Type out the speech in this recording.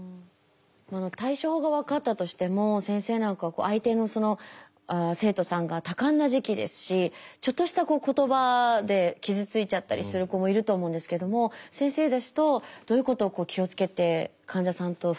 対処法が分かったとしても先生なんかは相手の生徒さんが多感な時期ですしちょっとした言葉で傷ついちゃったりする子もいると思うんですけれども先生ですとどういうことを気をつけて患者さんと触れ合ってらっしゃいますか？